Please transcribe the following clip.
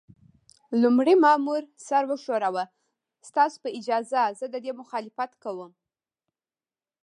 لومړي مامور سر وښوراوه: ستاسو په اجازه، زه د دې مخالفت کوم.